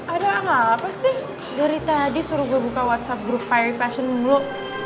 ada apa sih dari tadi suruh gue buka whatsapp grup fiery fashion lo